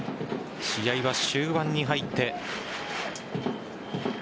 試合は終盤に入って。